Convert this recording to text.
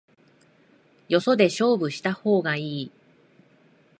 よそで勝負した方がいい